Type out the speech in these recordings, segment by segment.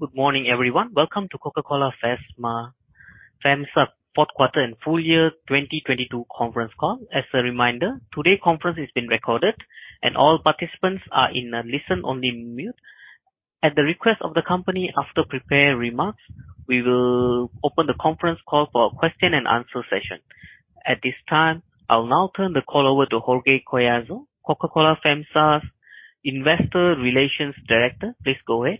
Good morning, everyone. Welcome to Coca-Cola FEMSA's fourth quarter and full year 2022 conference call. As a reminder, today's conference is being recorded and all participants are in a listen only mute. At the request of the company, after prepared remarks, we will open the conference call for a question and answer session. At this time, I'll now turn the call over to Jorge Collazo, Coca-Cola FEMSA's Investor Relations Director. Please go ahead.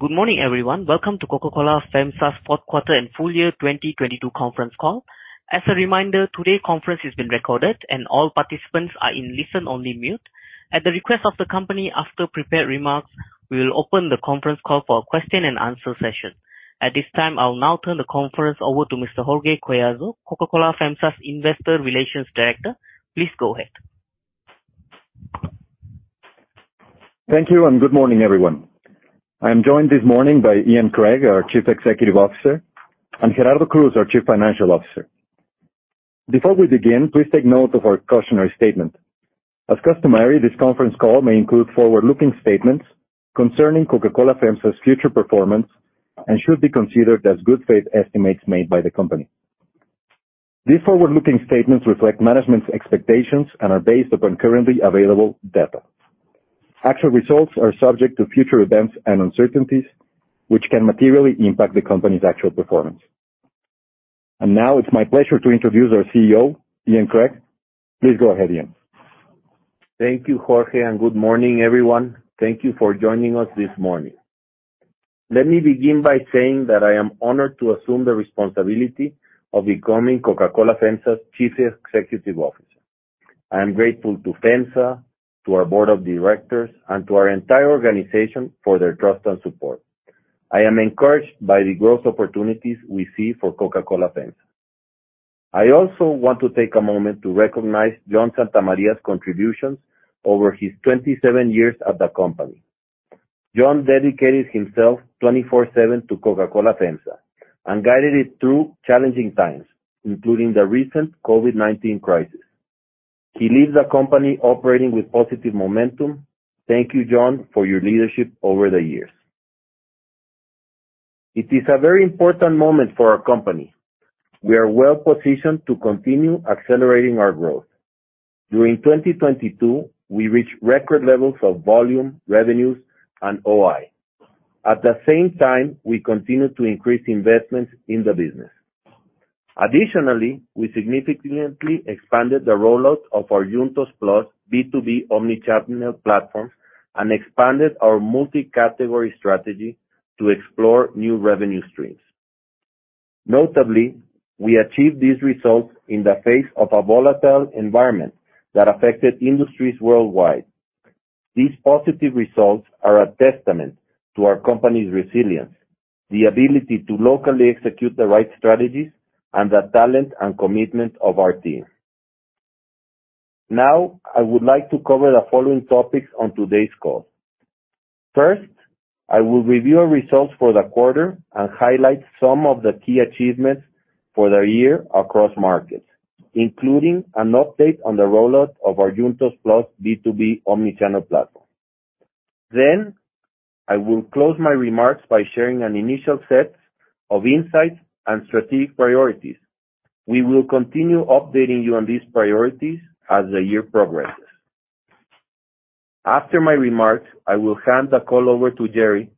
Good morning, everyone. Welcome to Coca-Cola FEMSA's fourth quarter and full year 2022 conference call. As a reminder, today's conference is being recorded and all participants are in listen only mute. At the request of the company, after prepared remarks, we will open the conference call for a question and answer session. At this time, I'll now turn the conference over to Mr. Jorge Collazo, Coca-Cola FEMSA's Investor Relations Director. Please go ahead. Thank you. Good morning, everyone. I am joined this morning by Ian Craig, our Chief Executive Officer, and Gerardo Cruz, our Chief Financial Officer. Before we begin, please take note of our cautionary statement. As customary, this conference call may include forward-looking statements concerning Coca-Cola FEMSA's future performance and should be considered as good faith estimates made by the company. These forward-looking statements reflect management's expectations and are based upon currently available data. Actual results are subject to future events and uncertainties, which can materially impact the company's actual performance. Now it's my pleasure to introduce our CEO, Ian Craig. Please go ahead, Ian. Thank you, Jorge, and good morning everyone. Thank you for joining us this morning. Let me begin by saying that I am honored to assume the responsibility of becoming Coca-Cola FEMSA's Chief Executive Officer. I am grateful to FEMSA, to our board of directors and to our entire organization for their trust and support. I am encouraged by the growth opportunities we see for Coca-Cola FEMSA. I also want to take a moment to recognize John Santa Maria's contributions over his 27 years at the company. John dedicated himself 24/7 to Coca-Cola FEMSA and guided it through challenging times, including the recent COVID-19 crisis. He leaves the company operating with positive momentum. Thank you, John, for your leadership over the years. It is a very important moment for our company. We are well-positioned to continue accelerating our growth. During 2022, we reached record levels of volume, revenues, and OI. At the same time, we continued to increase investments in the business. Additionally, we significantly expanded the rollout of our Juntos+ B2B omni-channel platform and expanded our multi-category strategy to explore new revenue streams. Notably, we achieved these results in the face of a volatile environment that affected industries worldwide. These positive results are a testament to our company's resilience, the ability to locally execute the right strategies and the talent and commitment of our team. Now, I would like to cover the following topics on today's call. First, I will review our results for the quarter and highlight some of the key achievements for the year across markets, including an update on the rollout of our Juntos+ B2B omni-channel platform. I will close my remarks by sharing an initial set of insights and strategic priorities. We will continue updating you on these priorities as the year progresses. After my remarks, I will hand the call over to Gerry,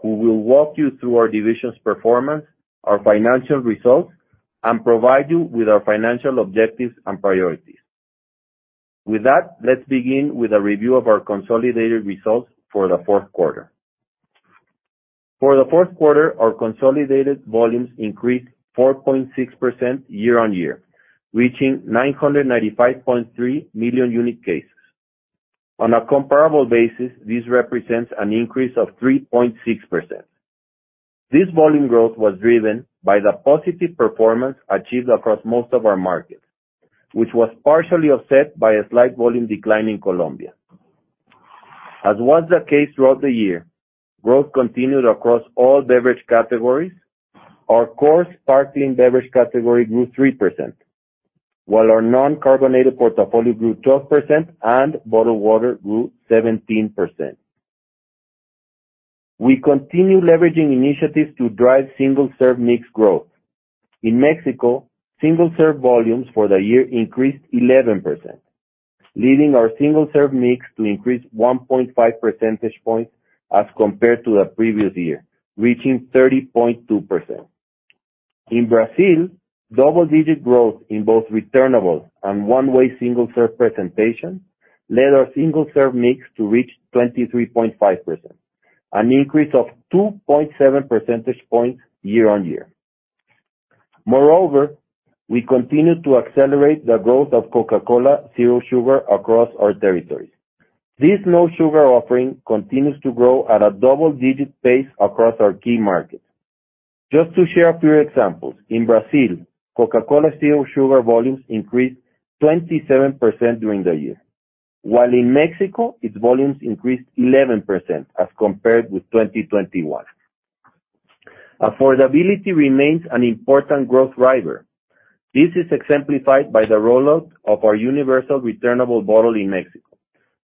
who will walk you through our division's performance, our financial results, and provide you with our financial objectives and priorities. Let's begin with a review of our consolidated results for the fourth quarter. For the fourth quarter, our consolidated volumes increased 4.6% year-on-year, reaching 995.3 million unit cases. On a comparable basis, this represents an increase of 3.6%. This volume growth was driven by the positive performance achieved across most of our markets, which was partially offset by a slight volume decline in Colombia. As was the case throughout the year, growth continued across all beverage categories. Our core sparkling beverage category grew 3%, while our non-carbonated portfolio grew 12% and bottled water grew 17%. We continue leveraging initiatives to drive single-serve mix growth. In Mexico, single-serve volumes for the year increased 11%, leading our single-serve mix to increase 1.5 percentage points as compared to the previous year, reaching 30.2%. In Brazil, double-digit growth in both returnables and one-way single-serve presentation led our single-serve mix to reach 23.5%, an increase of 2.7 percentage points year on year. Moreover, we continued to accelerate the growth of Coca-Cola Zero Sugar across our territories. This low sugar offering continues to grow at a double-digit pace across our key markets. Just to share a few examples, in Brazil, Coca-Cola Zero Sugar volumes increased 27% during the year. While in Mexico, its volumes increased 11% as compared with 2021. Affordability remains an important growth driver. This is exemplified by the rollout of our universal returnable bottle in Mexico.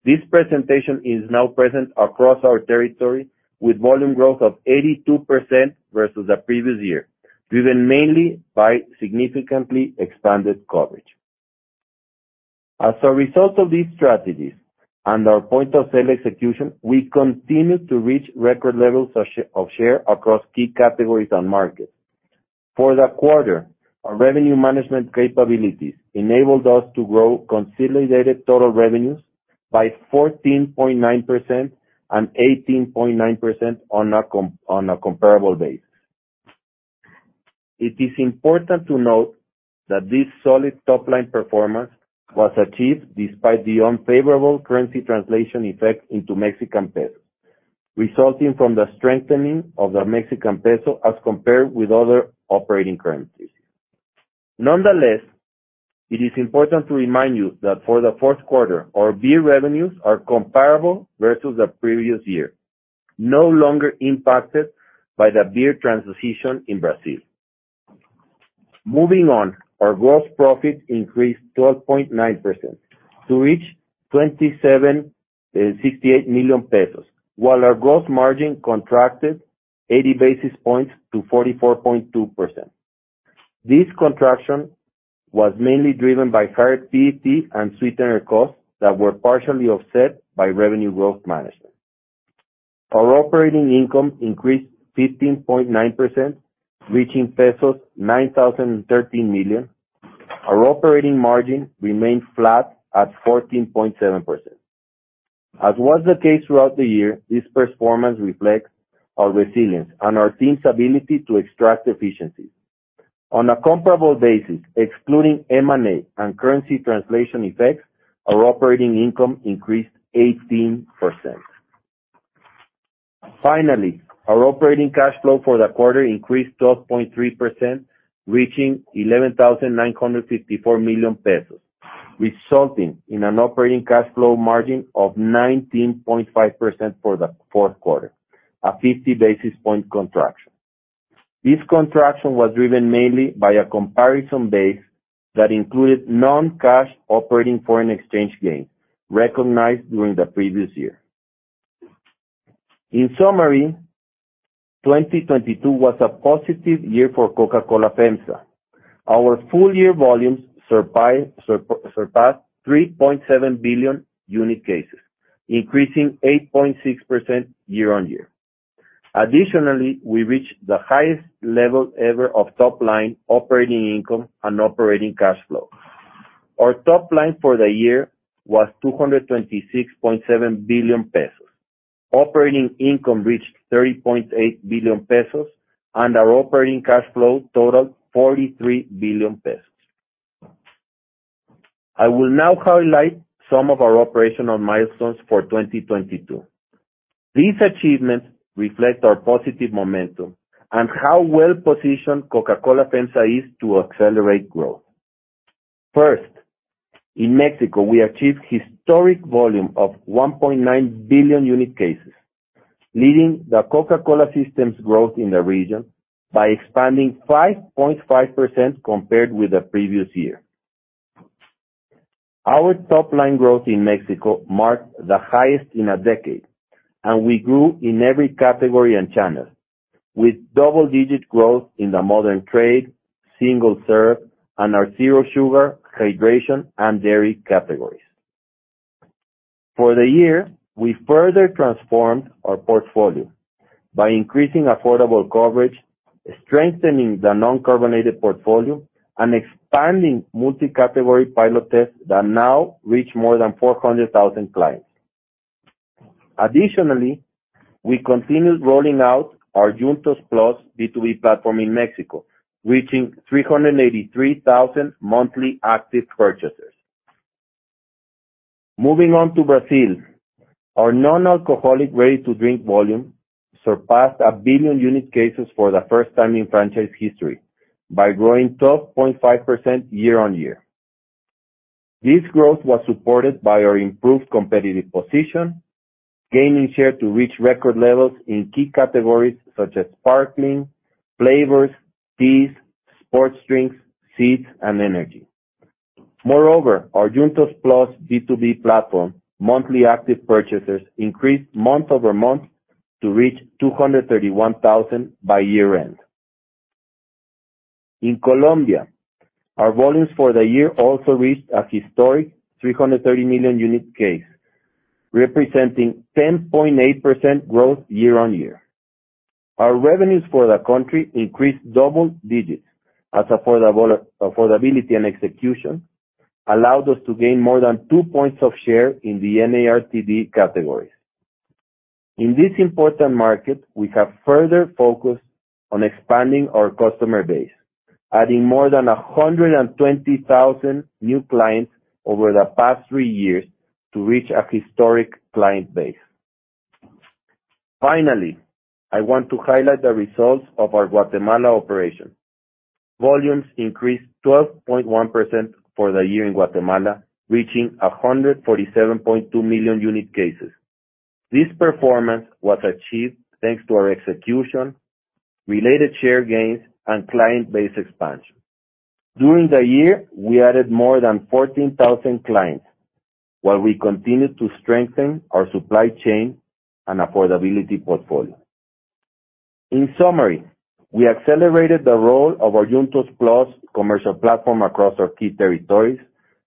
This presentation is now present across our territory with volume growth of 82% versus the previous year, driven mainly by significantly expanded coverage. As a result of these strategies and our point-of-sale execution, we continue to reach record levels of share across key categories and markets. For the quarter, our revenue management capabilities enabled us to grow consolidated total revenues by 14.9% and 18.9% on a comparable basis. It is important to note that this solid top-line performance was achieved despite the unfavorable currency translation effect into Mexican pesos, resulting from the strengthening of the Mexican peso as compared with other operating currencies. Nonetheless, it is important to remind you that for the fourth quarter, our beer revenues are comparable versus the previous year, no longer impacted by the beer transition in Brazil. Moving on, our gross profit increased 12.9% to reach 27,068 million pesos, while our gross margin contracted 80 basis points to 44.2%. This contraction was mainly driven by higher PET and sweetener costs that were partially offset by revenue growth management. Our operating income increased 15.9%, reaching pesos 9,013 million. Our operating margin remained flat at 14.7%. As was the case throughout the year, this performance reflects our resilience and our team's ability to extract efficiencies. On a comparable basis, excluding M&A and currency translation effects, our operating income increased 18%. Our operating cash flow for the quarter increased 12.3%, reaching 11,954 million pesos, resulting in an operating cash flow margin of 19.5% for the fourth quarter, a 50 basis point contraction. This contraction was driven mainly by a comparison base that included non-cash operating foreign exchange gains recognized during the previous year. 2022 was a positive year for Coca-Cola FEMSA. Our full year volumes surpassed 3.7 billion unit cases, increasing 8.6% year-on-year. We reached the highest level ever of top-line operating income and operating cash flow. Our top-line for the year was 226.7 billion pesos. Operating income reached 30.8 billion pesos, our operating cash flow totaled 43 billion pesos. I will now highlight some of our operational milestones for 2022. These achievements reflect our positive momentum and how well-positioned Coca-Cola FEMSA is to accelerate growth. First, in Mexico, we achieved historic volume of 1.9 billion unit cases, leading the Coca-Cola systems growth in the region by expanding 5.5% compared with the previous year. Our top-line growth in Mexico marked the highest in a decade, and we grew in every category and channel with double-digit growth in the modern trade, single serve, and our Zero Sugar, hydration, and dairy categories. For the year, we further transformed our portfolio by increasing affordable coverage, strengthening the non-carbonated portfolio, and expanding multi-category pilot tests that now reach more than 400,000 clients. Additionally, we continued rolling out our Juntos+ B2B platform in Mexico, reaching 383,000 monthly active purchasers. Moving on to Brazil, our non-alcoholic ready-to-drink volume surpassed one billion unit cases for the first time in franchise history by growing 12.5% year-on-year. This growth was supported by our improved competitive position, gaining share to reach record levels in key categories such as sparkling, flavors, teas, sports drinks, seeds, and energy. Moreover, our Juntos+ B2B platform monthly active purchasers increased month-over-month to reach 231,000 by year-end. In Colombia, our volumes for the year also reached a historic 330 million unit case, representing 10.8% growth year-on-year. Our revenues for the country increased double digits as affordability and execution allowed us to gain more than two points of share in the NARTD categories. In this important market, we have further focused on expanding our customer base. Adding more than 120,000 new clients over the past three years to reach a historic client base. Finally, I want to highlight the results of our Guatemala operation. Volumes increased 12.1% for the year in Guatemala, reaching 147.2 million unit cases. This performance was achieved thanks to our execution, related share gains, and client base expansion. During the year, we added more than 14,000 clients while we continued to strengthen our supply chain and affordability portfolio. In summary, we accelerated the role of our Juntos+ commercial platform across our key territories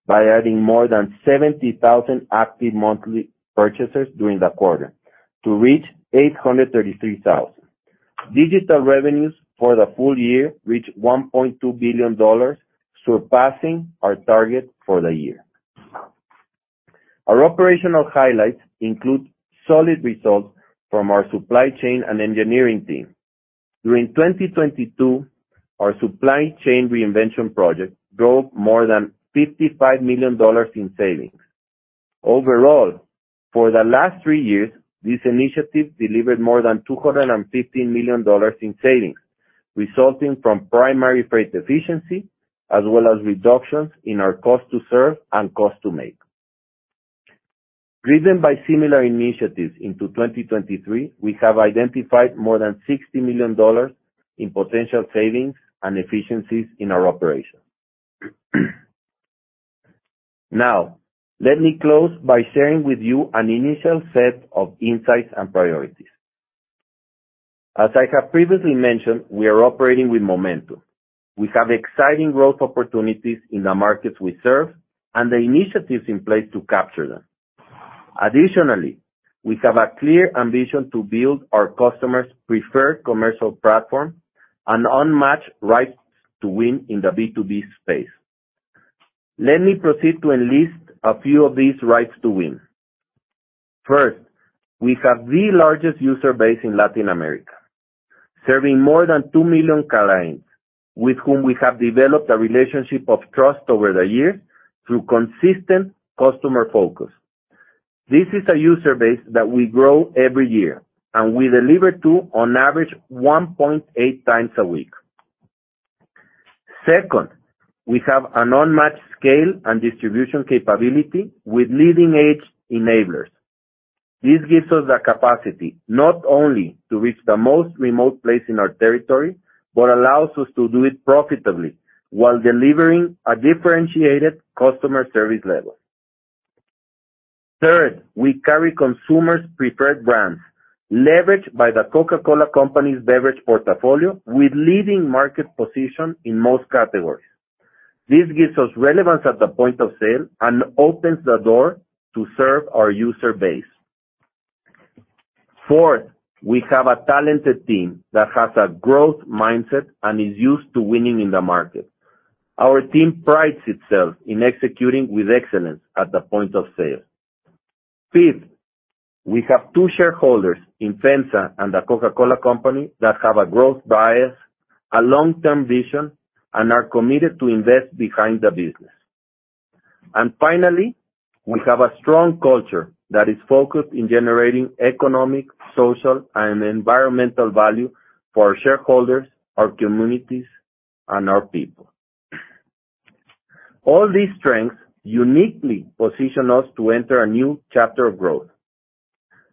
by adding more than 70,000 active monthly purchasers during the quarter to reach 833,000. Digital revenues for the full year reached $1.2 billion, surpassing our target for the year. Our operational highlights include solid results from our supply chain and engineering team. During 2022, our supply chain reinvention project drove more than $55 million in savings. Overall, for the last three years, this initiative delivered more than $250 million in savings, resulting from primary freight efficiency as well as reductions in our cost to serve and cost to make. Driven by similar initiatives into 2023, we have identified more than $60 million in potential savings and efficiencies in our operation. Let me close by sharing with you an initial set of insights and priorities. As I have previously mentioned, we are operating with momentum. We have exciting growth opportunities in the markets we serve and the initiatives in place to capture them. We have a clear ambition to build our customers' preferred commercial platform and unmatched right to win in the B2B space. Let me proceed to enlist a few of these rights to win. First, we have the largest user base in Latin America, serving more than two million clients, with whom we have developed a relationship of trust over the years through consistent customer focus. This is a user base that we grow every year and we deliver to on average 1.8x a week. Second, we have an unmatched scale and distribution capability with leading-edge enablers. This gives us the capacity not only to reach the most remote place in our territory, but allows us to do it profitably while delivering a differentiated customer service level. Third, we carry consumers' preferred brands leveraged by the Coca-Cola Company's beverage portfolio with leading market position in most categories. This gives us relevance at the point of sale and opens the door to serve our user base. Fourth, we have a talented team that has a growth mindset and is used to winning in the market. Our team prides itself in executing with excellence at the point of sale. Fifth, we have two shareholders in FEMSA and the Coca-Cola Company that have a growth bias, a long-term vision, and are committed to invest behind the business. Finally, we have a strong culture that is focused in generating economic, social, and environmental value for our shareholders, our communities, and our people. All these strengths uniquely position us to enter a new chapter of growth.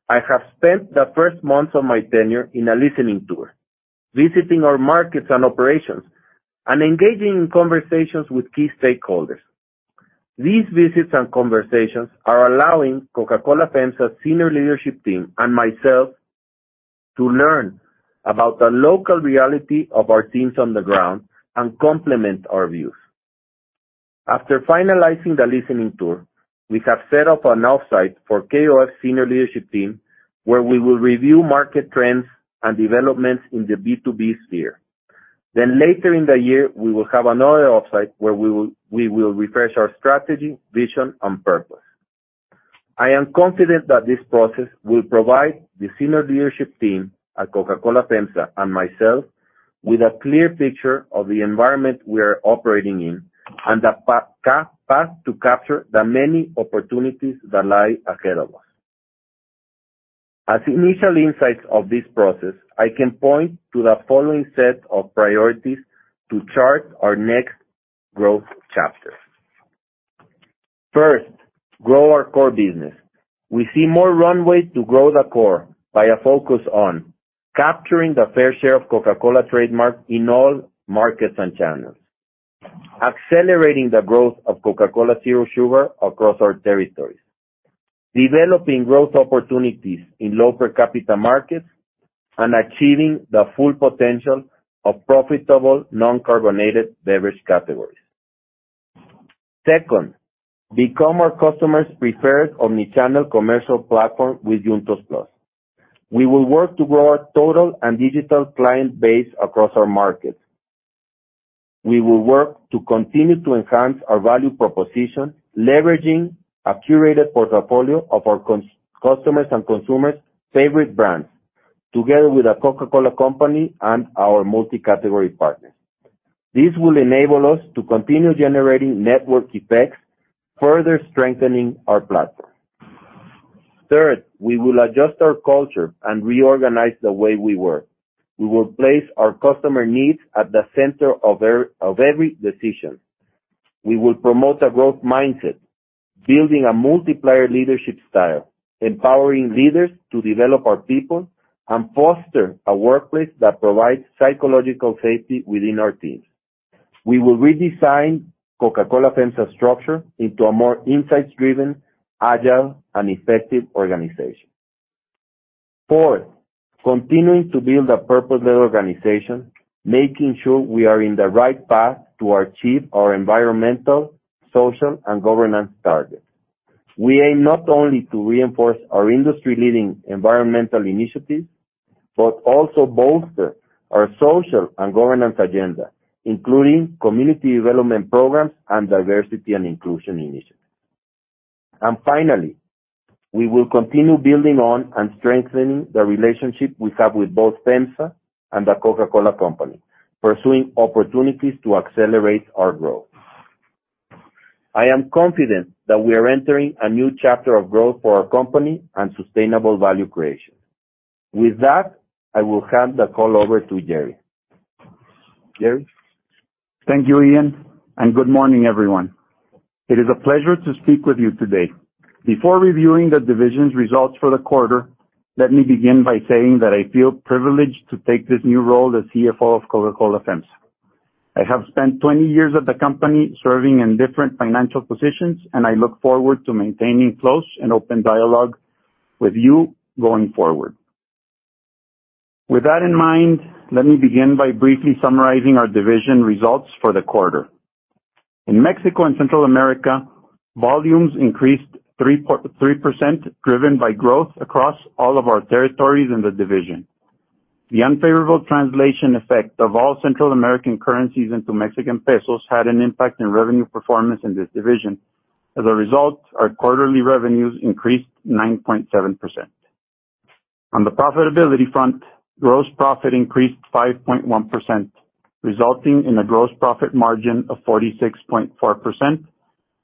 I have spent the first months of my tenure in a listening tour, visiting our markets and operations and engaging in conversations with key stakeholders. These visits and conversations are allowing Coca-Cola FEMSA senior leadership team and myself to learn about the local reality of our teams on the ground and complement our views. After finalizing the listening tour, we have set up an offsite for KOF senior leadership team, where we will review market trends and developments in the B2B sphere. Later in the year, we will have another offsite where we will refresh our strategy, vision, and purpose. I am confident that this process will provide the senior leadership team at Coca-Cola FEMSA and myself with a clear picture of the environment we are operating in and the path to capture the many opportunities that lie ahead of us. As initial insights of this process, I can point to the following set of priorities to chart our next growth chapters. First, grow our core business. We see more runway to grow the core by a focus on capturing the fair share of Coca-Cola trademark in all markets and channels, accelerating the growth of Coca-Cola Zero Sugar across our territories, developing growth opportunities in low per capita markets, and achieving the full potential of profitable non-carbonated beverage categories. Second, become our customers' preferred omni-channel commercial platform with Juntos+. We will work to grow our total and digital client base across our markets. We will work to continue to enhance our value proposition, leveraging a curated portfolio of our customers and consumers' favorite brands. Together with a Coca-Cola Company and our multi-category partners. This will enable us to continue generating network effects, further strengthening our platform. Third, we will adjust our culture and reorganize the way we work. We will place our customer needs at the center of every decision. We will promote a growth mindset, building a multiplier leadership style, empowering leaders to develop our people, and foster a workplace that provides psychological safety within our teams. We will redesign Coca-Cola FEMSA structure into a more insights-driven, agile, and effective organization. Fourth, continuing to build a purpose-led organization, making sure we are in the right path to achieve our environmental, social, and governance targets. We aim not only to reinforce our industry-leading environmental initiatives, but also bolster our social and governance agenda, including community development programs and diversity and inclusion initiatives. Finally, we will continue building on and strengthening the relationship we have with both FEMSA and the Coca-Cola Company, pursuing opportunities to accelerate our growth. I am confident that we are entering a new chapter of growth for our company and sustainable value creation. With that, I will hand the call over to Gerry. Gerry? Thank you, Ian. Good morning, everyone. It is a pleasure to speak with you today. Before reviewing the division's results for the quarter, let me begin by saying that I feel privileged to take this new role as CFO of Coca-Cola FEMSA. I have spent 20 years at the company serving in different financial positions, and I look forward to maintaining close and open dialogue with you going forward. With that in mind, let me begin by briefly summarizing our division results for the quarter. In Mexico and Central America, volumes increased 3.3%, driven by growth across all of our territories in the division. The unfavorable translation effect of all Central American currencies into Mexican pesos had an impact in revenue performance in this division. Our quarterly revenues increased 9.7%. On the profitability front, gross profit increased 5.1%, resulting in a gross profit margin of 46.4%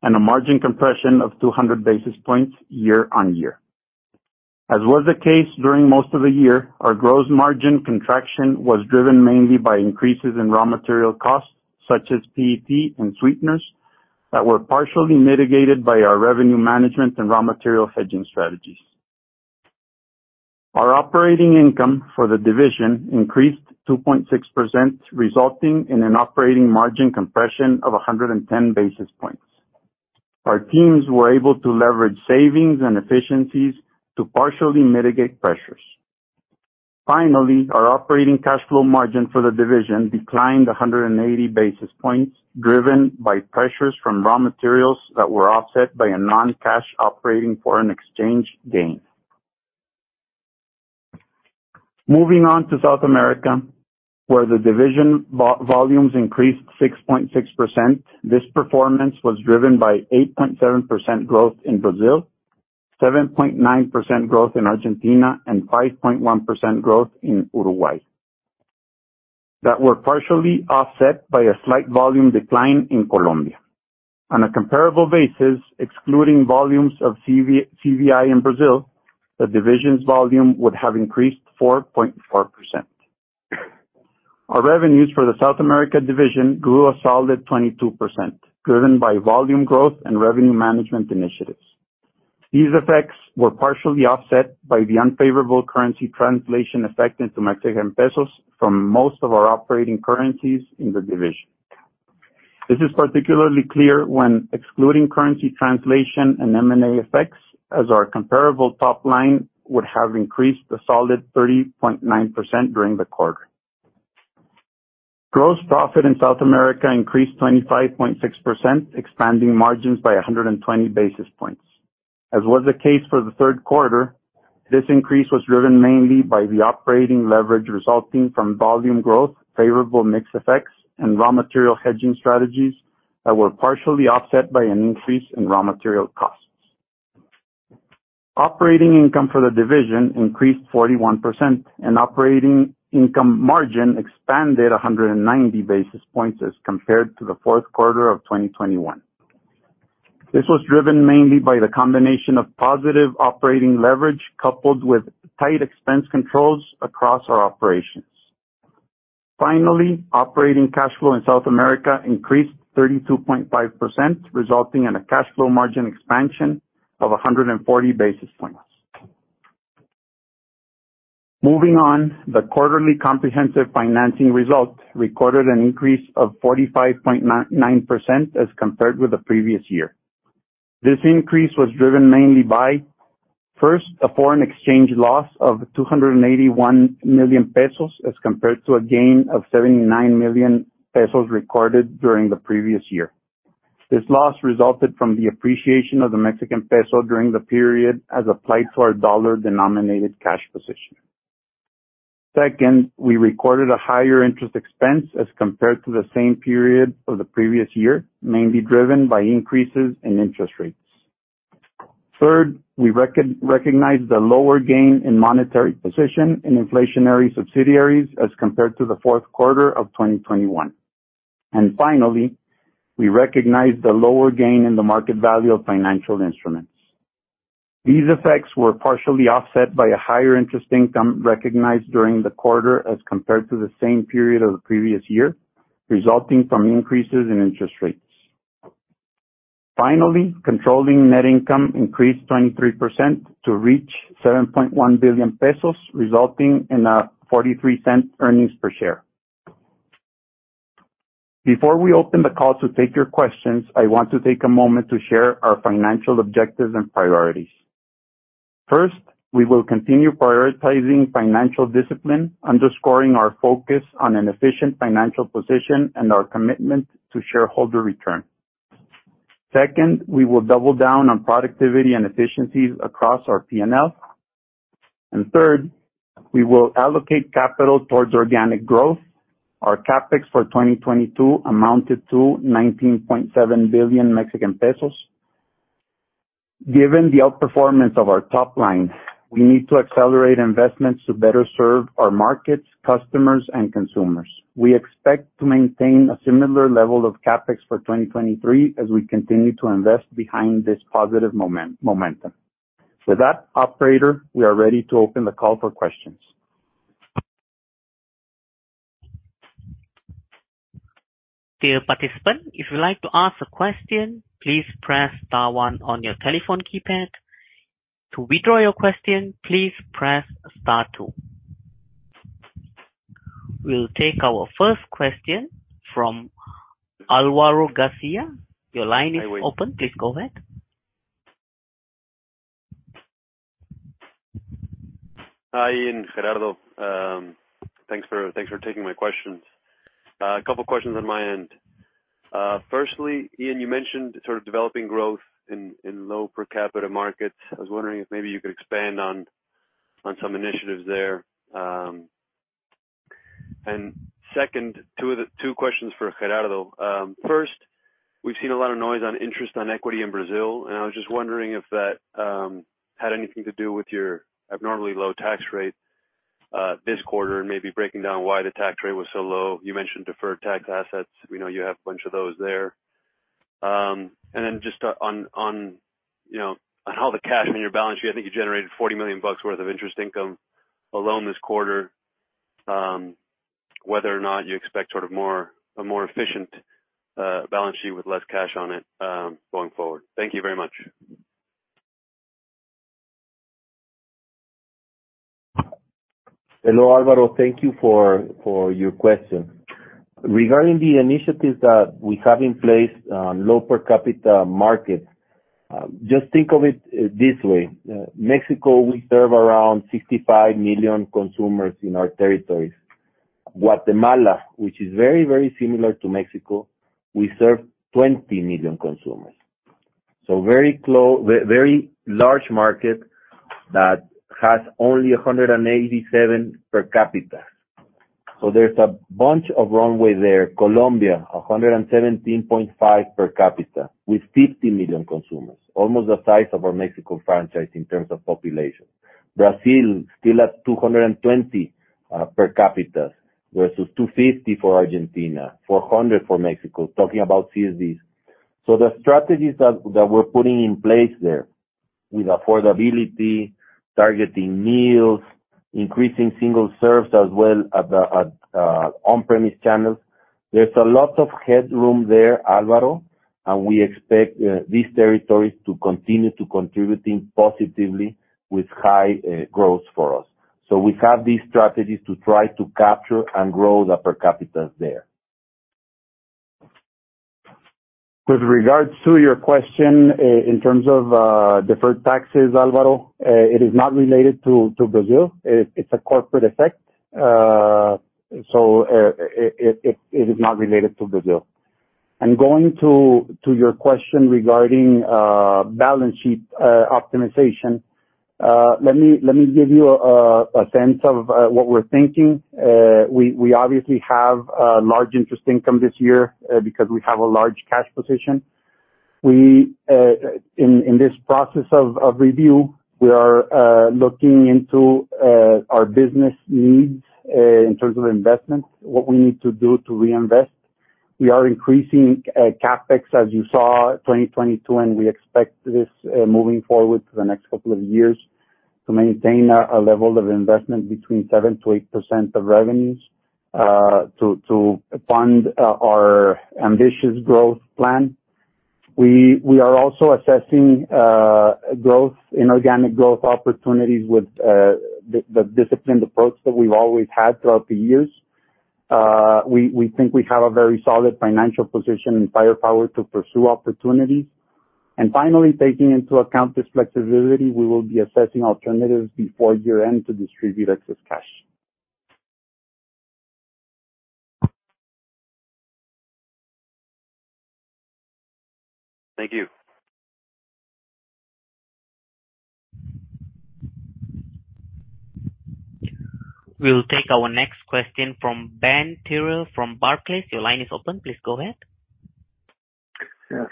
and a margin compression of 200 basis points year-over-year. As was the case during most of the year, our gross margin contraction was driven mainly by increases in raw material costs, such as PET and sweeteners, that were partially mitigated by our revenue management and raw material hedging strategies. Our operating income for the division increased 2.6%, resulting in an operating margin compression of 110 basis points. Our teams were able to leverage savings and efficiencies to partially mitigate pressures. Finally, our operating cash flow margin for the division declined 180 basis points, driven by pressures from raw materials that were offset by a non-cash operating foreign exchange gain. Moving on to South America, where the division volumes increased 6.6%. This performance was driven by 8.7% growth in Brazil, 7.9% growth in Argentina, and 5.1% growth in Uruguay, that were partially offset by a slight volume decline in Colombia. On a comparable basis, excluding volumes of CVI in Brazil, the division's volume would have increased 4.4%. Our revenues for the South America division grew a solid 22%, driven by volume growth and revenue management initiatives. These effects were partially offset by the unfavorable currency translation effect into Mexican pesos from most of our operating currencies in the division. This is particularly clear when excluding currency translation and M&A effects, as our comparable top line would have increased a solid 30.9% during the quarter. Gross profit in South America increased 25.6%, expanding margins by 120 basis points. As was the case for the third quarter, this increase was driven mainly by the operating leverage resulting from volume growth, favorable mix effects, and raw material hedging strategies that were partially offset by an increase in raw material costs. Operating income for the division increased 41%, and operating income margin expanded 190 basis points as compared to the fourth quarter of 2021. This was driven mainly by the combination of positive operating leverage, coupled with tight expense controls across our operations. Finally, operating cash flow in South America increased 32.5%, resulting in a cash flow margin expansion of 140 basis points. Moving on, the quarterly comprehensive financing result recorded an increase of 45.9% as compared with the previous year. This increase was driven mainly by, first, a foreign exchange loss of 281 million pesos as compared to a gain of 79 million pesos recorded during the previous year. This loss resulted from the appreciation of the Mexican peso during the period as applied to our dollar-denominated cash position. Second, we recorded a higher interest expense as compared to the same period of the previous year, mainly driven by increases in interest rates. Third, we recognize the lower gain in monetary position in inflationary subsidiaries as compared to the fourth quarter of 2021. Finally, we recognize the lower gain in the market value of financial instruments. These effects were partially offset by a higher interest income recognized during the quarter as compared to the same period of the previous year, resulting from increases in interest rates. Finally, controlling net income increased 23% to reach 7.1 billion pesos, resulting in a 0.43 earnings per share. Before we open the call to take your questions, I want to take a moment to share our financial objectives and priorities. First, we will continue prioritizing financial discipline, underscoring our focus on an efficient financial position and our commitment to shareholder return. Second, we will double down on productivity and efficiencies across our PNL. Third, we will allocate capital towards organic growth. Our CapEx for 2022 amounted to 19.7 billion Mexican pesos. Given the outperformance of our top line, we need to accelerate investments to better serve our markets, customers and consumers. We expect to maintain a similar level of CapEx for 2023 as we continue to invest behind this positive momentum. Operator, we are ready to open the call for questions. Dear participant, if you'd like to ask a question, please press star one on your telephone keypad. To withdraw your question, please press star two. We'll take our first question from Álvaro García. Your line is open. Please go ahead. Hi, Ian, Gerardo. Thanks for taking my questions. A couple questions on my end. Firstly, Ian, you mentioned sort of developing growth in low per capita markets. I was wondering if maybe you could expand on some initiatives there. Second, two questions for Gerardo. First, we've seen a lot of noise on interest on equity in Brazil, and I was just wondering if that had anything to do with your abnormally low tax rate this quarter and maybe breaking down why the tax rate was so low. You mentioned deferred tax assets. We know you have a bunch of those there. Just on all the cash in your balance sheet, I think you generated $40 million worth of interest income alone this quarter, whether or not you expect more, a more efficient, balance sheet with less cash on it, going forward. Thank you very much. Hello, Álvaro. Thank you for your question. Regarding the initiatives that we have in place, low per capita market, just think of it this way. Mexico, we serve around 65 million consumers in our territories. Guatemala, which is very similar to Mexico, we serve 20 million consumers. Very large market that has only 187 per capita. There's a bunch of runway there. Colombia, 117.5 per capita with 50 million consumers, almost the size of our Mexico franchise in terms of population. Brazil still has 220 per capita versus 250 for Argentina, 400 for Mexico, talking about CSDs. The strategies that we're putting in place there with affordability, targeting meals, increasing single serves as well at the on-premise channels, there's a lot of headroom there, Álvaro, and we expect these territories to continue contributing positively with high growth for us. We have these strategies to try to capture and grow the per capita there. With regards to your question in terms of deferred taxes, Álvaro, it is not related to Brazil. It's a corporate effect. So, it is not related to Brazil. Going to your question regarding balance sheet optimization, let me give you a sense of what we're thinking. We obviously have large interest income this year because we have a large cash position. We in this process of review, we are looking into our business needs in terms of investments, what we need to do to reinvest. We are increasing CapEx, as you saw, 2022, and we expect this moving forward for the next couple of years to maintain a level of investment between 7%-8% of revenues to fund our ambitious growth plan. We are also assessing inorganic growth opportunities with the disciplined approach that we've always had throughout the years. We think we have a very solid financial position and firepower to pursue opportunities. Finally, taking into account this flexibility, we will be assessing alternatives before year-end to distribute excess cash. Thank you. We'll take our next question from Benjamin Theurer from Barclays. Your line is open, please go ahead.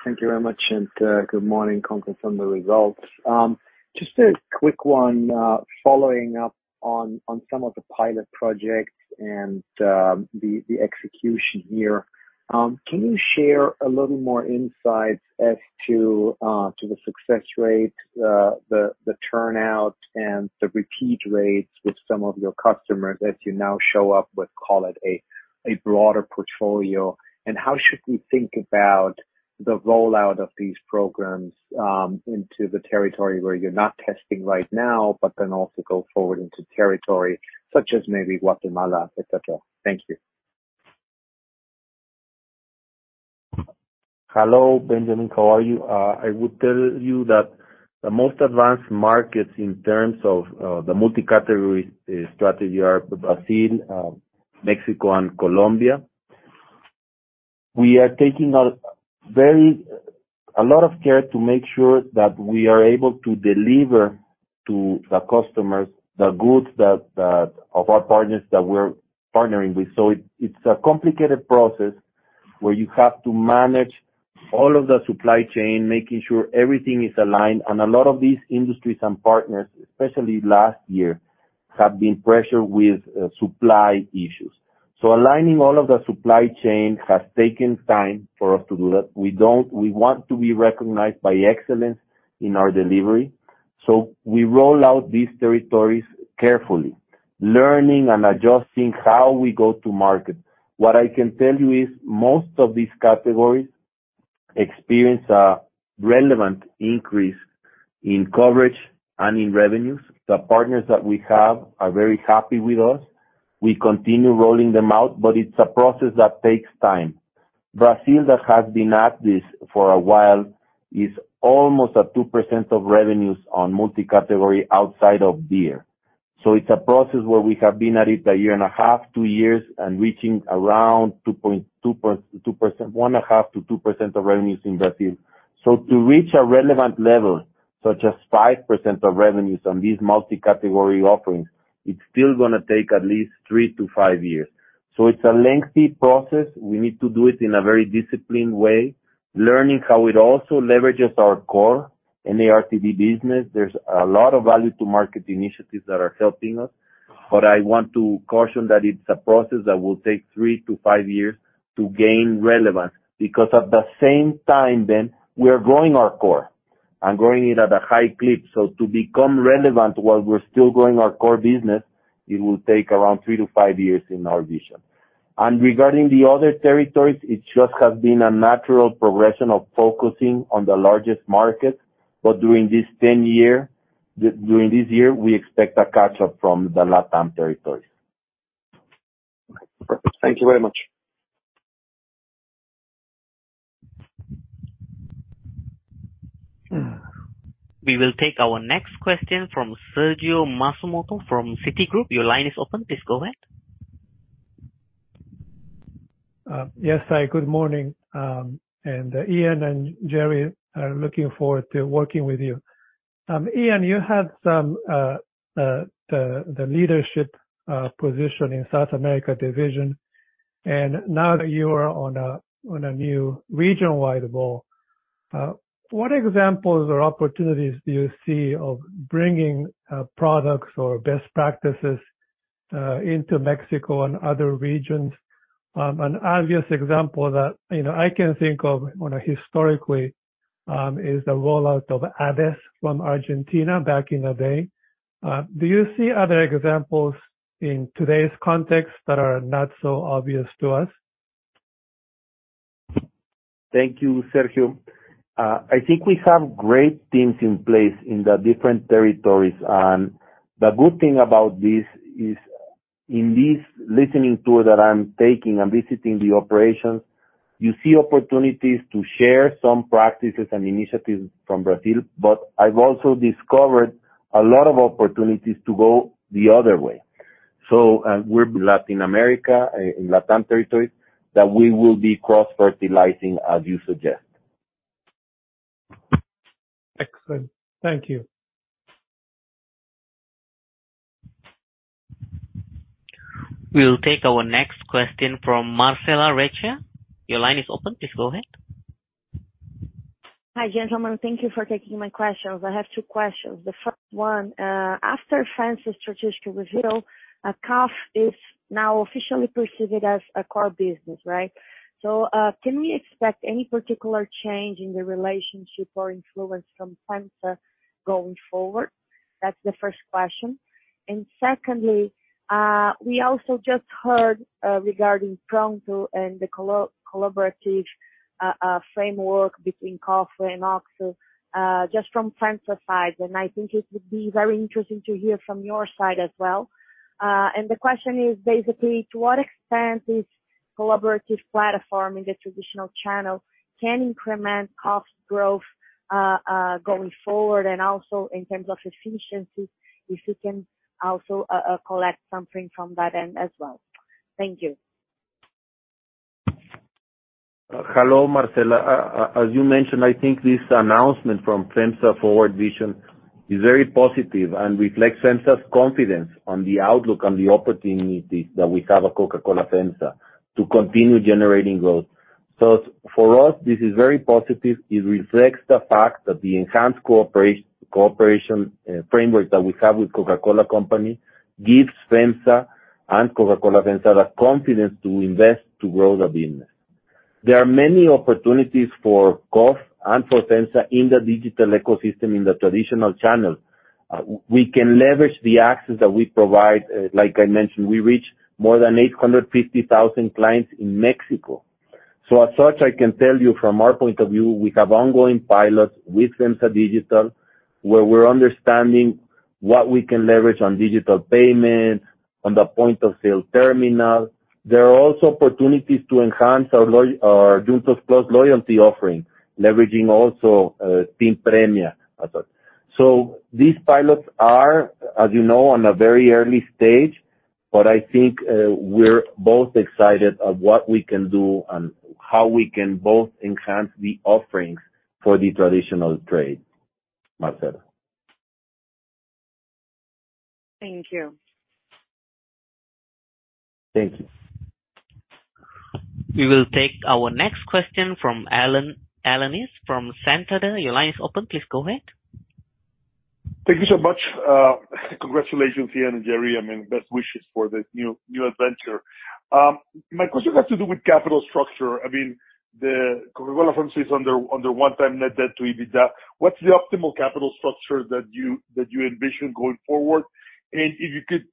Thank you very much, good morning. Congrats on the results. Just a quick one, following up on some of the pilot projects and the execution here. Can you share a little more insights as to the success rate, the turnout and the repeat rates with some of your customers as you now show up with, call it a broader portfolio? How should we think about the rollout of these programs into the territory where you're not testing right now but then also go forward into territory such as maybe Guatemala, et cetera? Thank you. Hello, Benjamin. How are you? I would tell you that the most advanced markets in terms of the multi-category strategy are Brazil, Mexico and Colombia. We are taking a lot of care to make sure that we are able to deliver to the customers the goods that of our partners that we're partnering with. It's a complicated process where you have to manage all of the supply chain, making sure everything is aligned. A lot of these industries and partners, especially last year, have been pressured with supply issues. Aligning all of the supply chain has taken time for us to do that. We want to be recognized by excellence in our delivery, so we roll out these territories carefully, learning and adjusting how we go to market. What I can tell you is most of these categories experience a relevant increase in coverage and in revenues. The partners that we have are very happy with us. We continue rolling them out, but it's a process that takes time. Brazil, that has been at this for a while, is almost at 2% of revenues on multi-category outside of beer. It's a process where we have been at it 1.5 years, two years, and reaching around 2%, 1.5%-2% of revenues in Brazil. To reach a relevant level, such as 5% of revenues on these multi-category offerings, it's still gonna take at least 3-5 years. It's a lengthy process. We need to do it in a very disciplined way, learning how it also leverages our core in the RTD business. There's a lot of value to market initiatives that are helping us. I want to caution that it's a process that will take three to five years to gain relevance. At the same time then, we are growing our core and growing it at a high clip. To become relevant while we're still growing our core business, it will take around three to five years in our vision. Regarding the other territories, it just has been a natural progression of focusing on the largest market. During this year, we expect a catch-up from the LatAm territories. Thank you very much. We will take our next question from Sergio Matsumoto from Citigroup. Your line is open, please go ahead. Yes, hi, good morning. Ian and Gerry, looking forward to working with you. Ian, you had some the leadership position in South America division, and now that you are on a new regionwide role, what examples or opportunities do you see of bringing products or best practices into Mexico and other regions? An obvious example that, you know, I can think of on a historically, is the rollout of Andes from Argentina back in the day. Do you see other examples in today's context that are not so obvious to us? Thank you, Sergio. I think we have great teams in place in the different territories, and the good thing about this is, in this listening tour that I'm taking, I'm visiting the operations, you see opportunities to share some practices and initiatives from Brazil, but I've also discovered a lot of opportunities to go the other way. We're Latin America, in LatAm territories, that we will be cross-fertilizing as you suggest. Excellent. Thank you. We'll take our next question from Marcela Recchia. Your line is open, please go ahead. Hi, gentlemen. Thank you for taking my questions. I have two questions. The first one, after FEMSA's strategic reveal, KOF is now officially perceived as a core business, right? Can we expect any particular change in the relationship or influence from FEMSA going forward? That's the first question. Secondly, we also just heard regarding Pronto and the collaborative framework between KOF and OXXO, just from FEMSA's side, and I think it would be very interesting to hear from your side as well. The question is basically, to what extent this collaborative platform in the traditional channel can increment KOF's growth going forward? Also in terms of efficiencies, if you can also collect something from that end as well. Thank you. Hello, Marcela. As you mentioned, I think this announcement from FEMSA Forward Vision is very positive and reflects FEMSA's confidence on the outlook on the opportunities that we have at Coca-Cola FEMSA to continue generating growth. For us, this is very positive. It reflects the fact that the enhanced cooperation framework that we have with Coca-Cola Company gives FEMSA and Coca-Cola FEMSA the confidence to invest to grow the business. There are many opportunities for KOF and for FEMSA in the digital ecosystem in the traditional channel. We can leverage the access that we provide. Like I mentioned, we reach more than 850,000 clients in Mexico. As such, I can tell you from our point of view, we have ongoing pilots with FEMSA Digital, where we're understanding what we can leverage on digital payments, on the point of sale terminal. There are also opportunities to enhance our Juntos+ loyalty offering, leveraging also, Spin Premia as well. These pilots are, as you know, on a very early stage, but I think, we're both excited of what we can do and how we can both enhance the offerings for the traditional trade, Marcela. Thank you. Thank you. We will take our next question from Alan, Alanis from Santander. Your line is open. Please go ahead. Thank you so much. Congratulations, Ian and Gerry. I mean, best wishes for this new adventure. My question has to do with capital structure. I mean, the Coca-Cola FEMSA is under one time net debt to EBITDA. What's the optimal capital structure that you envision going forward? And if you could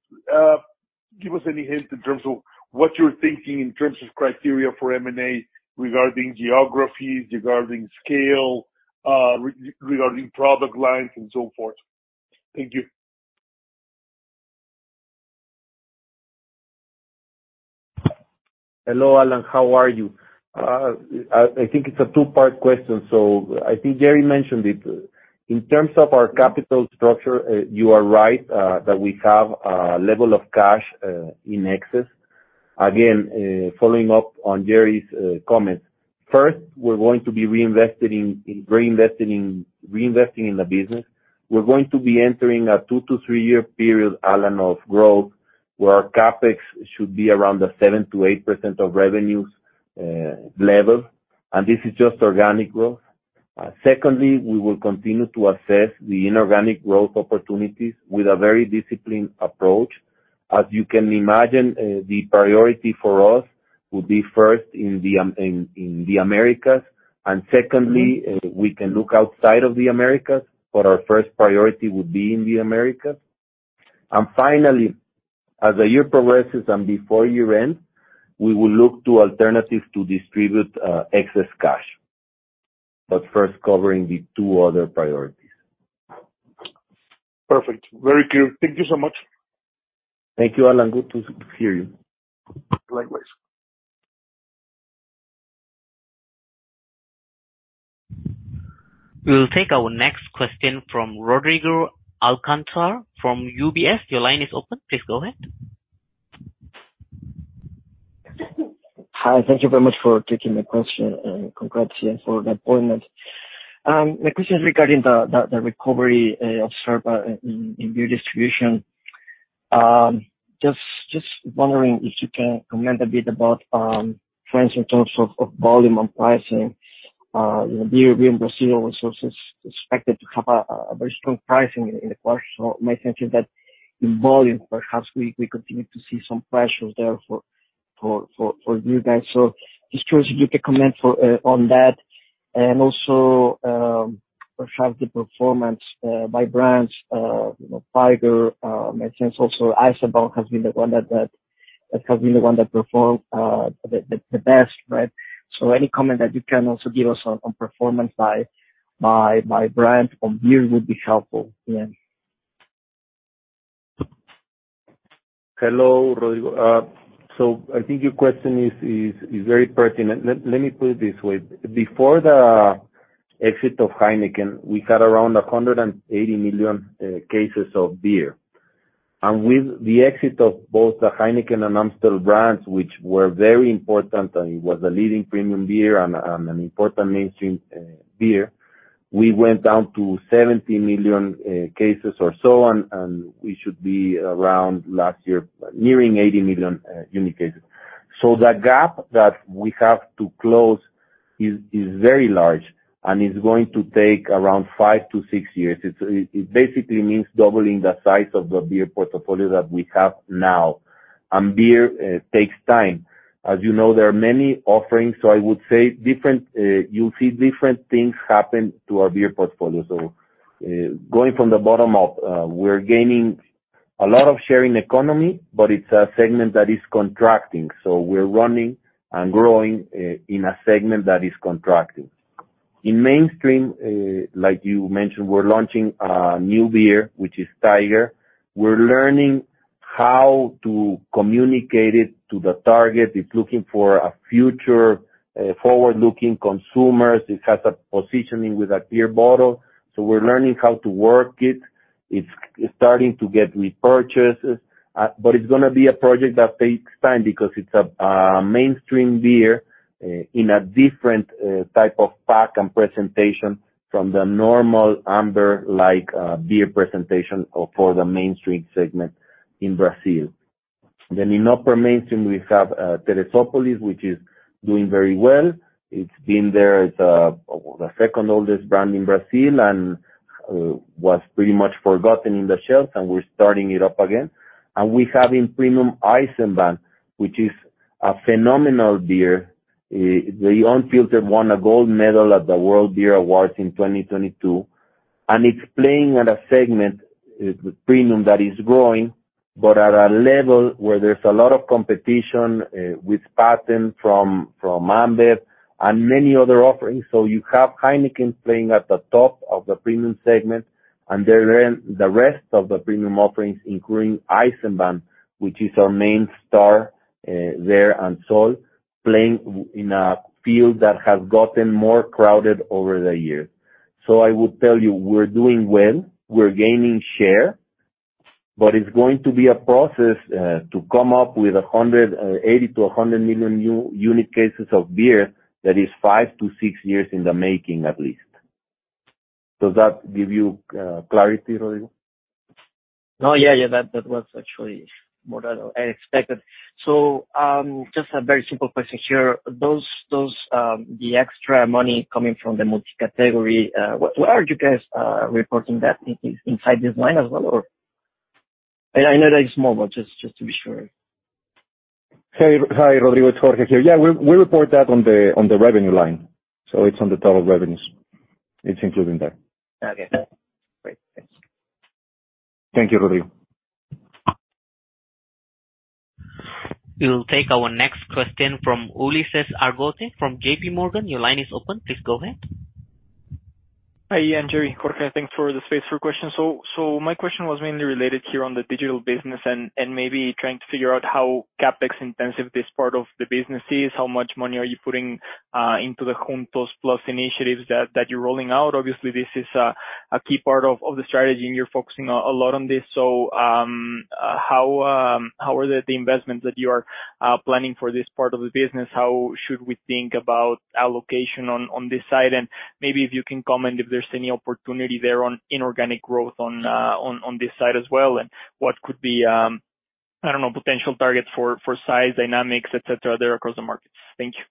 give us any hint in terms of what you're thinking in terms of criteria for M&A regarding geographies, regarding scale, regarding product lines and so forth. Thank you. Hello, Alan. How are you? I think it's a 2-part question. I think Gerry mentioned it. In terms of our capital structure, you are right that we have a level of cash in excess. Again, following up on Gerry's comments, first, we're going to be reinvesting in the business. We're going to be entering a two to three year period, Alan, of growth, where our CapEx should be around the 7%-8% of revenues level. This is just organic growth. Secondly, we will continue to assess the inorganic growth opportunities with a very disciplined approach. As you can imagine, the priority for us will be first in the Americas. Secondly, we can look outside of the Americas. Our first priority would be in the Americas. Finally, as the year progresses and before year-end, we will look to alternatives to distribute excess cash, but first covering the three other priorities. Perfect. Very clear. Thank you so much. Thank you, Alan. Good to hear you. Likewise. We will take our next question from Rodrigo Alcantara from UBS. Your line is open. Please go ahead. Hi. Thank you very much for taking the question. Congrats, Ian, for the appointment. My question is regarding the recovery observed in beer distribution. Just wondering if you can comment a bit about trends in terms of volume and pricing. You know, beer in Brazil also is expected to have a very strong pricing in the quarter. My sense is that in volume perhaps we continue to see some pressures there for you guys. Just curious if you could comment for on that. Also, perhaps the performance by brands, you know, Tiger, I sense also Eisenbahn has been the one that has been the one that performed the best, right? Any comment that you can also give us on performance by brands on beer would be helpful, Ian. Hello, Rodrigo, I think your question is very pertinent. Let me put it this way. Before the exit of Heineken, we had around 180 million cases of beer. With the exit of both the Heineken and Amstel brands, which were very important, and it was a leading premium beer and an important mainstream beer, we went down to 70 million cases or so, and we should be around last year nearing 80 million unit cases. The gap that we have to close is very large and is going to take around 5-6 years. It basically means doubling the size of the beer portfolio that we have now. Beer takes time. As you know, there are many offerings, I would say different, you'll see different things happen to our beer portfolio. Going from the bottom up, we're gaining a lot of sharing economy, but it's a segment that is contracting, we're running and growing in a segment that is contracting. In mainstream, like you mentioned, we're launching a new beer, which is Tiger. We're learning how to communicate it to the target. It's looking for a future, forward-looking consumers. It has a positioning with a clear bottle, we're learning how to work it. It's starting to get repurchases, but it's gonna be a project that takes time because it's a mainstream beer in a different type of pack and presentation from the normal amber-like beer presentation or for the mainstream segment in Brazil. In upper mainstream, we have Therezópolis, which is doing very well. It's been there. It's the second oldest brand in Brazil and was pretty much forgotten in the shelves, and we're starting it up again. We have in premium Eisenbahn, which is a phenomenal beer. The unfiltered won a gold medal at the World Beer Awards in 2022, and it's playing at a segment premium that is growing, but at a level where there's a lot of competition with Patagonia from Ambev, and many other offerings. You have Heineken playing at the top of the premium segment, and the rest of the premium offerings, including Eisenbahn, which is our main star there and Sol playing in a field that has gotten more crowded over the years. I would tell you, we're doing well. We're gaining share, but it's going to be a process, to come up with 100, 80 to 100 million unique cases of beer that is five to six years in the making, at least. Does that give you clarity, Rodrigo? No. Yeah, that was actually more than I expected. Just a very simple question here. Those, the extra money coming from the multicategory, where are you guys reporting that? In, inside this line as well, or? I know that it's small, just to be sure. Hi, Rodrigo. It's Jorge here. Yeah. We report that on the revenue line. It's on the total revenues. It's included in there. Okay. Great. Thanks. Thank you, Rodrigo. We'll take our next question from Ulises Argote from JP Morgan. Your line is open. Please go ahead. Hi. Yeah, and Gerry, Jorge, thanks for the space for questions. My question was mainly related here on the digital business and maybe trying to figure out how CapEx intensive this part of the business is, how much money are you putting into the Juntos+ initiatives that you're rolling out. Obviously, this is a key part of the strategy, and you're focusing a lot on this. How are the investments that you are planning for this part of the business? How should we think about allocation on this side? Maybe if you can comment if there's any opportunity there on inorganic growth on this side as well and what could be, I don't know, potential targets for size, dynamics, et cetera, there across the markets. Thank you.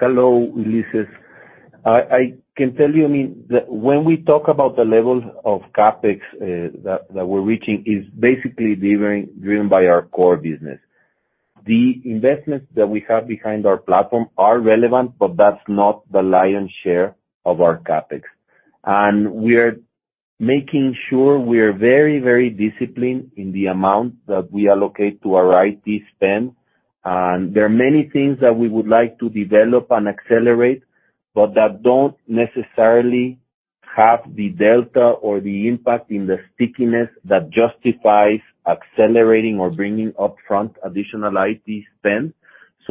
Hello, Ulises. I can tell you, I mean, that when we talk about the levels of CapEx that we're reaching is basically driven by our core business. The investments that we have behind our platform are relevant, but that's not the lion's share of our CapEx. We are making sure we are very disciplined in the amount that we allocate to our IT spend. There are many things that we would like to develop and accelerate, but that don't necessarily have the delta or the impact in the stickiness that justifies accelerating or bringing upfront additional IT spend.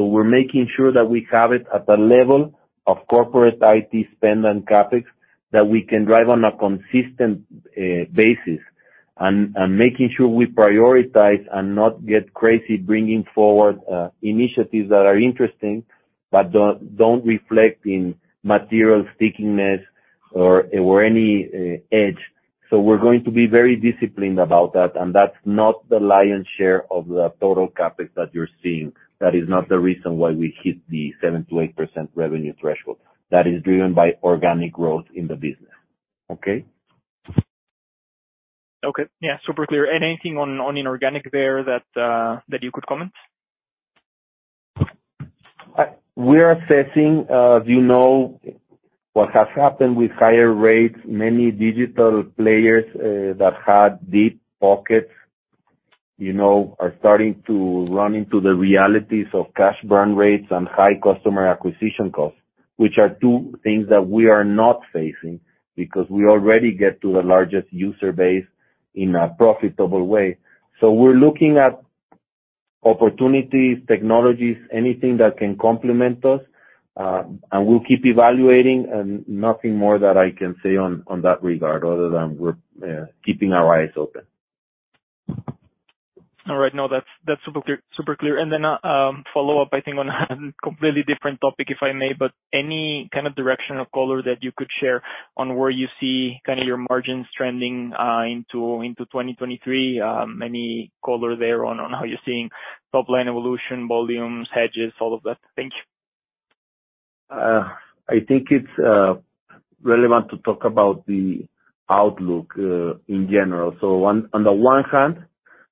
We're making sure that we have it at the level of corporate IT spend and CapEx that we can drive on a consistent basis, and making sure we prioritize and not get crazy bringing forward initiatives that are interesting but don't reflect in material stickiness or any edge. We're going to be very disciplined about that, and that's not the lion's share of the total CapEx that you're seeing. That is not the reason why we hit the 7%-8% revenue threshold. That is driven by organic growth in the business. Okay? Okay. Yeah, super clear. Anything on inorganic there that you could comment? We are assessing, you know, what has happened with higher rates, many digital players, that had deep pockets, you know, are starting to run into the realities of cash burn rates and high customer acquisition costs, which are two things that we are not facing because we already get to the largest user base in a profitable way. We're looking at opportunities, technologies, anything that can complement us, and we'll keep evaluating. Nothing more that I can say on that regard other than we're keeping our eyes open. All right. No, that's super clear. Super clear. A follow-up, I think, on a completely different topic, if I may, but any kind of direction of color that you could share on where you see kind of your margins trending into 2023? Any color there on how you're seeing top-line evolution, volumes, hedges, all of that? Thank you. I think it's relevant to talk about the outlook in general. On the one hand,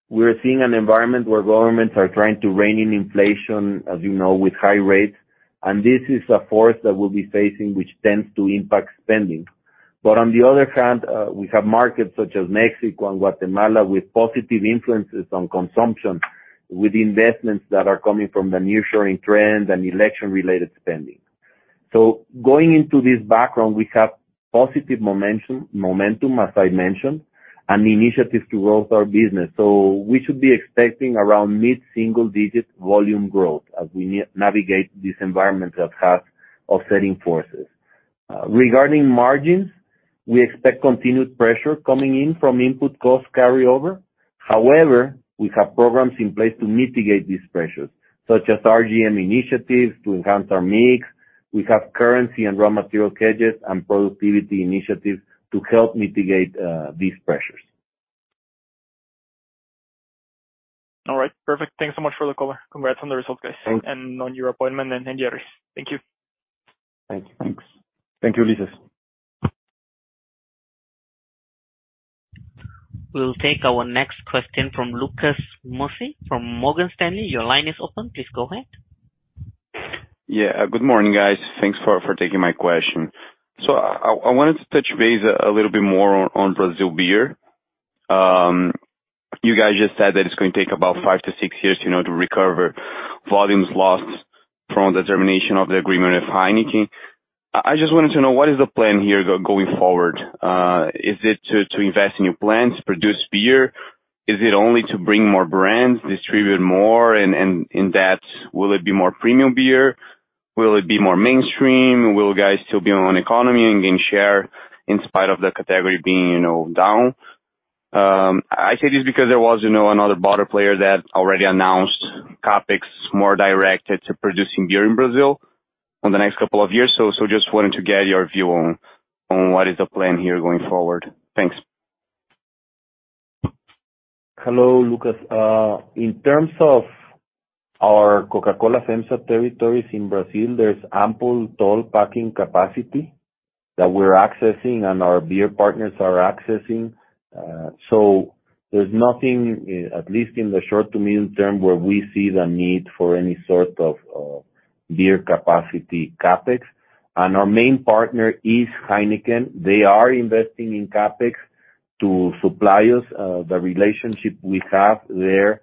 we're seeing an environment where governments are trying to rein in inflation, as you know, with high rates, and this is a force that we'll be facing, which tends to impact spending. On the other hand, we have markets such as Mexico and Guatemala with positive influences on consumption, with investments that are coming from the nearshoring trends and election-related spending. Going into this background, we have positive momentum, as I mentioned. The initiative to grow our business. We should be expecting around mid-single digit volume growth as we navigate this environment that has offsetting forces. Regarding margins, we expect continued pressure coming in from input costs carryover. However, we have programs in place to mitigate these pressures, such as RGM initiatives to enhance our mix. We have currency and raw material hedges and productivity initiatives to help mitigate these pressures. All right. Perfect. Thanks so much for the call. Congrats on the results, guys. Thanks. On your appointment, and Gerry's. Thank you. Thank you. Thanks. Thank you, Ulises. We'll take our next question from Lucas Mussi from Morgan Stanley. Your line is open. Please go ahead. Yeah. Good morning, guys. Thanks for taking my question. I wanted to touch base a little bit more on Brazil beer. You guys just said that it's gonna take about 5-6 years, you know, to recover volumes lost from the termination of the agreement with Heineken. I just wanted to know, what is the plan here going forward? Is it to invest in new plants, produce beer? Is it only to bring more brands, distribute more? In that, will it be more premium beer? Will it be more mainstream? Will you guys still be on economy and gain share in spite of the category being, you know, down? I say this because there was, you know, another bottle player that already announced CapEx more directed to producing beer in Brazil on the next couple of years. Just wanting to get your view on what is the plan here going forward. Thanks. Hello, Lucas. In terms of our Coca-Cola FEMSA territories in Brazil, there's ample toll packing capacity that we're accessing and our beer partners are accessing. There's nothing, at least in the short to medium term, where we see the need for any sort of beer capacity CapEx. Our main partner is Heineken. They are investing in CapEx to supply us, the relationship we have there,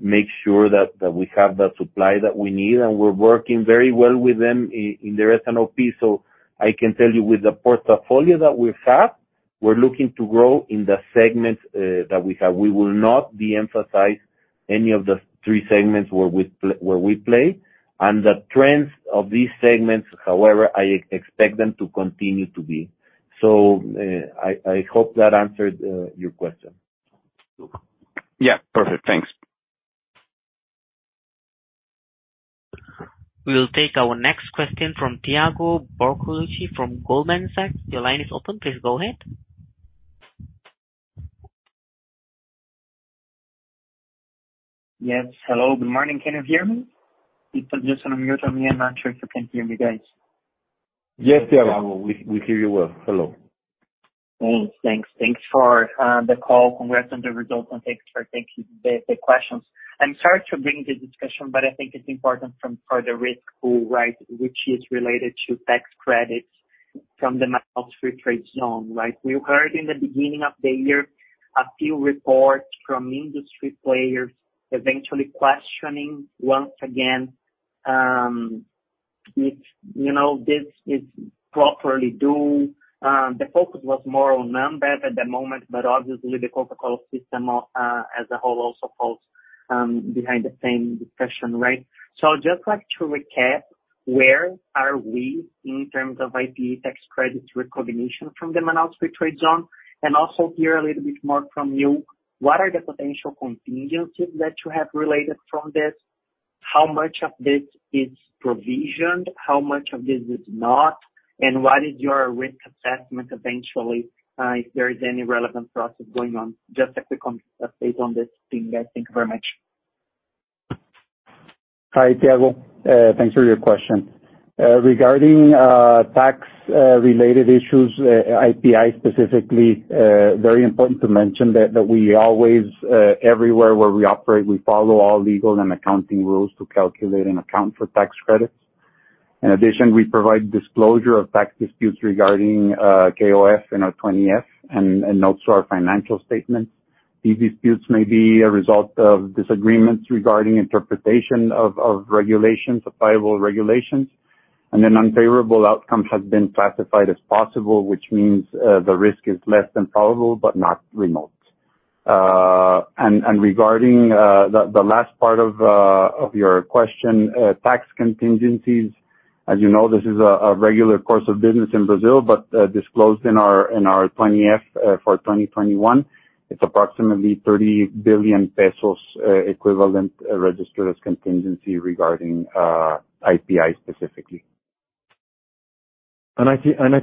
make sure that we have the supply that we need, and we're working very well with them in their S&OP. I can tell you with the portfolio that we have, we're looking to grow in the segments that we have. We will not de-emphasize any of the three segments where we play. The trends of these segments, however, I expect them to continue to be. I hope that answered your question. Yeah, perfect. Thanks. We'll take our next question from Thiago Bortoluci from Goldman Sachs. Your line is open. Please go ahead. Yes. Hello. Good morning. Can you hear me? It was just on mute on me. I'm not sure if you can hear me, guys. Yes, Thiago. We hear you well. Hello. Cool, thanks. Thanks for the call. Congrats on the results and thanks for taking the questions. I'm sorry to bring the discussion, but I think it's important for the risk pool, right, which is related to tax credits from the Manaus Free Trade Zone. Like, we heard in the beginning of the year, a few reports from industry players eventually questioning once again, if, you know, this is properly due. The focus was more on Ambev at the moment, but obviously the Coca-Cola system as a whole also falls behind the same discussion, right? Just like to recap, where are we in terms of IPI tax credits recognition from the Manaus Free Trade Zone, and also hear a little bit more from you, what are the potential contingencies that you have related from this? How much of this is provisioned? How much of this is not? What is your risk assessment eventually, if there is any relevant process going on? Just a quick update on this theme. Thank you very much. Hi, Thiago. Thanks for your question. Regarding tax related issues, IPI specifically, very important to mention that we always everywhere where we operate, we follow all legal and accounting rules to calculate and account for tax credits. In addition, we provide disclosure of tax disputes regarding KOF in our 20-F and also our financial statements. These disputes may be a result of disagreements regarding interpretation of regulations, applicable regulations, and an unfavorable outcome has been classified as possible, which means the risk is less than probable but not remote. Regarding the last part of your question, tax contingencies, as you know, this is a regular course of business in Brazil, but disclosed in our 20-F for 2021, it's approximately 30 billion pesos, equivalent, registered as contingency regarding IPI specifically. I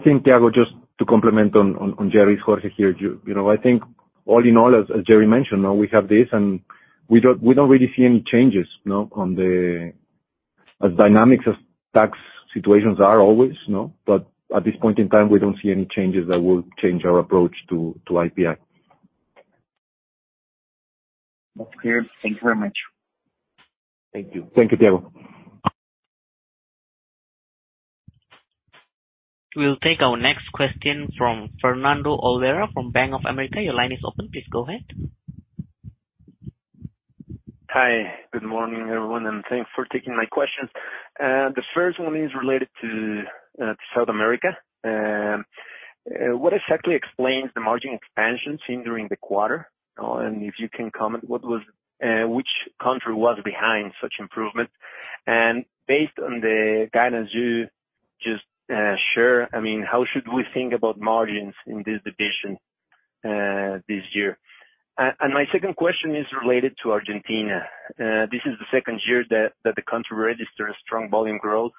think, Thiago, just to complement on Gerry's, Jorge here, you know, I think all in all, as Gerry mentioned, you know, we have this and we don't really see any changes, you know, on the. As dynamics of tax situations are always, you know. At this point in time, we don't see any changes that will change our approach to IPI. That's clear. Thank you very much. Thank you. Thank you, Thiago. We'll take our next question from Fernando Olvera from Bank of America. Your line is open. Please go ahead. Hi, good morning, everyone, thanks for taking my questions. The first one is related to South America. What exactly explains the margin expansion seen during the quarter? If you can comment, which country was behind such improvement? Based on the guidance you just shared, I mean, how should we think about margins in this division this year? My second question is related to Argentina. This is the second year that the country registered a strong volume growth.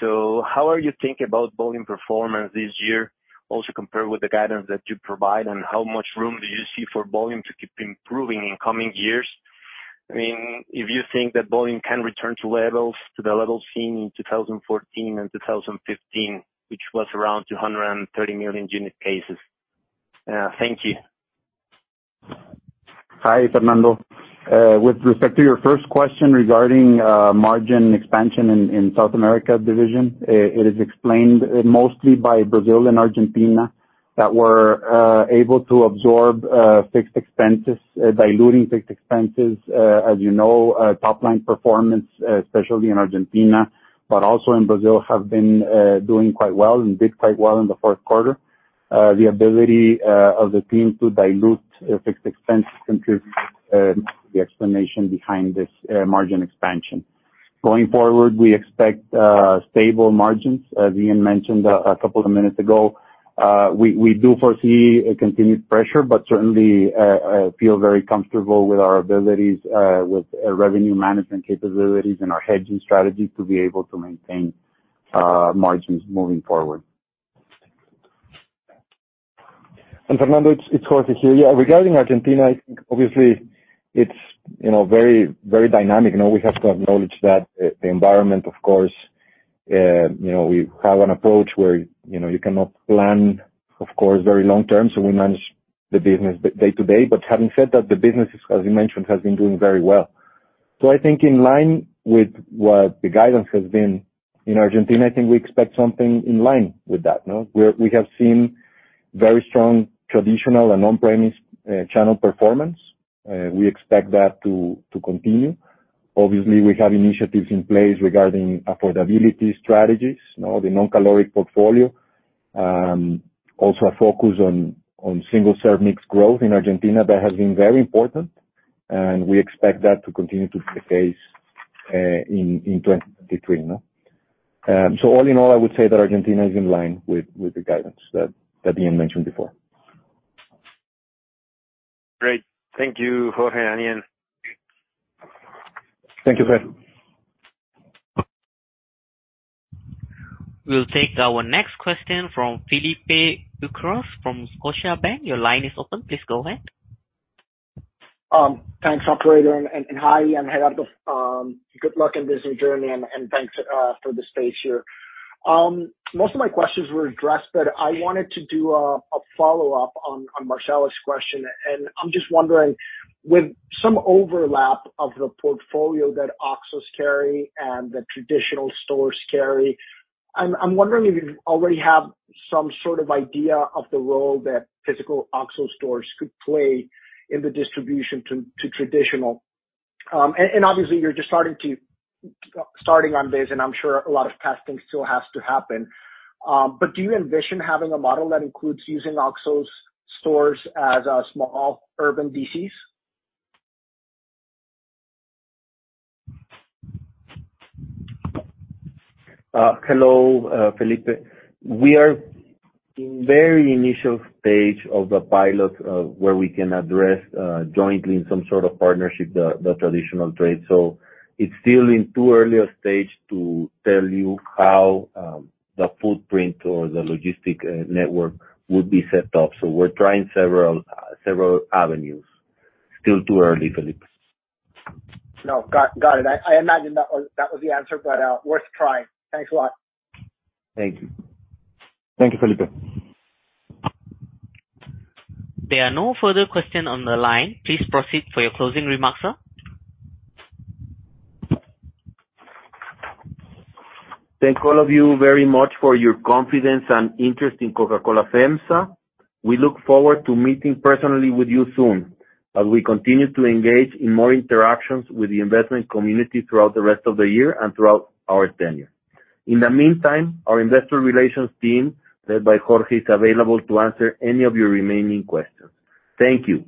How are you think about volume performance this year, also compare with the guidance that you provide, and how much room do you see for volume to keep improving in coming years? I mean, if you think that volume can return to levels, to the levels seen in 2014 and 2015, which was around 230 million unit cases. Thank you. Hi, Fernando. With respect to your first question regarding margin expansion in South America division, it is explained mostly by Brazil and Argentina that were able to absorb fixed expenses, diluting fixed expenses. As you know, top line performance, especially in Argentina, but also in Brazil, have been doing quite well and did quite well in the fourth quarter. The ability of the team to dilute fixed expenses, the explanation behind this margin expansion. Going forward, we expect stable margins. As Ian mentioned a couple of minutes ago, we do foresee a continued pressure, but certainly feel very comfortable with our abilities, with revenue management capabilities and our hedging strategy to be able to maintain margins moving forward. Fernando, it's Jorge here. Yeah, regarding Argentina, obviously, it's, you know, very, very dynamic. You know, we have to acknowledge that the environment, of course, you know, we have an approach where, you know, you cannot plan, of course, very long-term, so we manage the business day to day. Having said that, the business, as you mentioned, has been doing very well. I think in line with what the guidance has been in Argentina, I think we expect something in line with that, you know. We have seen very strong traditional and on-premise channel performance. We expect that to continue. Obviously, we have initiatives in place regarding affordability strategies. You know, the non-caloric portfolio. Also a focus on single-serve mix growth in Argentina. That has been very important. We expect that to continue to be the case, in 2023, you know. All in all, I would say that Argentina is in line with the guidance that Ian mentioned before. Great. Thank you, Jorge and Ian. Thank you. Thank you. We'll take our next question from Felipe Ucros from Scotiabank. Your line is open. Please go ahead. Thanks, operator. Hi, Gerardo, good luck in this new journey and thanks for the space here. Most of my questions were addressed, but I wanted to do a follow-up on Marcela's question. I'm just wondering, with some overlap of the portfolio that OXXOs carry and the traditional stores carry, I'm wondering if you already have some sort of idea of the role that physical OXXO stores could play in the distribution to traditional. Obviously you're just starting on this, and I'm sure a lot of testing still has to happen. Do you envision having a model that includes using OXXOs stores as small urban DCs? Hello, Felipe. We are in very initial stage of the pilot, where we can address jointly in some sort of partnership the traditional trade. It's still in too earlier stage to tell you how the footprint or the logistic network would be set up. We're trying several avenues. Still too early, Felipe. No, got it. I imagine that was, that was the answer, but, worth trying. Thanks a lot. Thank you. Thank you, Felipe. There are no further question on the line. Please proceed for your closing remarks, sir. Thank all of you very much for your confidence and interest in Coca-Cola FEMSA. We look forward to meeting personally with you soon as we continue to engage in more interactions with the investment community throughout the rest of the year and throughout our tenure. In the meantime, our investor relations team, led by Jorge, is available to answer any of your remaining questions. Thank you.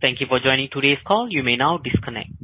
Thank you for joining today's call. You may now disconnect.